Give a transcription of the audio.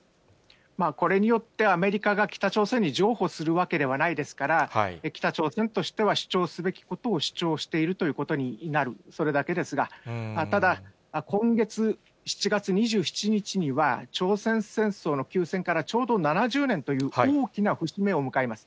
これによって、アメリカが北朝鮮に譲歩するわけではないですから、北朝鮮としては主張すべきことを主張しているということになる、それだけですが、ただ今月７月２７日には、朝鮮戦争の休戦からちょうど７０年という大きな節目を迎えます。